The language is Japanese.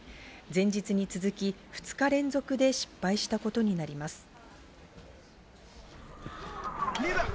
前日に続き２日連続で失敗したことになります。